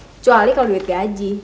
kecuali kalau duit gaji